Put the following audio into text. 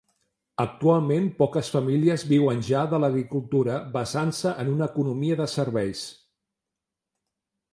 Actualment poques famílies viuen ja de l'agricultura basant-se en una economia de serveis.